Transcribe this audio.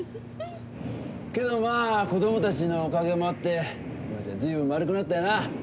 けどまあ子供たちのおかげもあって今じゃ随分丸くなったよな。